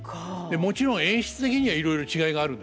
もちろん演出的にはいろいろ違いがあるんですよ。